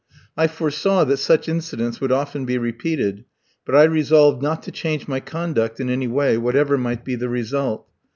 I foresaw that such incidents would often be repeated; but I resolved not to change my conduct in any way, whatever might be the result.